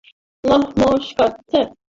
নমস্কার, স্যার!